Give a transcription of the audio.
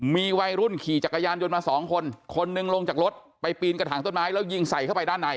มีวัยรุ่นขี่จักรยานยนต์มาสองคนคนหนึ่งลงจากรถไปปีนกระถางต้นไม้แล้วยิงใส่เข้าไปด้านใน